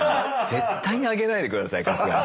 絶対にあげないで下さい春日に。